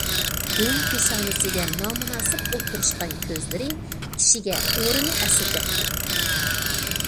دۆڭ پېشانىسىگە نامۇناسىپ ئولتۇرۇشقان كۆزلىرى كىشىگە ئورىنى ئەسلىتەتتى.